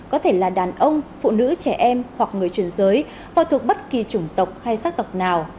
có thể là đàn ông phụ nữ trẻ em hoặc người truyền giới hoặc thuộc bất kỳ chủng tộc hay xác tộc nào